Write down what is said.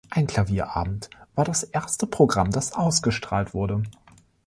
Ein Klavierabend war das erste Programm, das ausgestrahlt wurde.